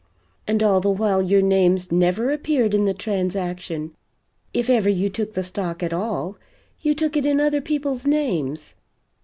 and all the while your names never appeared in the transaction; if ever you took the stock at all, you took it in other people's names.